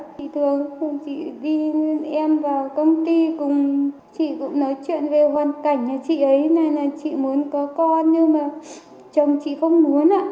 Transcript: thì thường chị đi em vào công ty cùng chị cũng nói chuyện về hoàn cảnh nhà chị ấy này là chị muốn có con nhưng mà chồng chị không muốn ạ